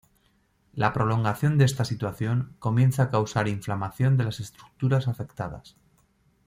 La prolongación de esta situación, comienza a causar inflamación de las estructuras afectadas.